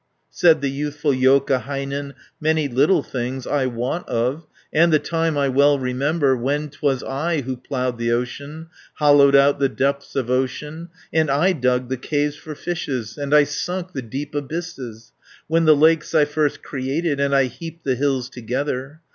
Said the youthful Joukahainen, "Many little things I wot of, And the time I well remember When 'twas I who ploughed the ocean, Hollowed out the depths of ocean, And I dug the caves for fishes, 220 And I sunk the deep abysses, When the lakes I first created, And I heaped the hills together.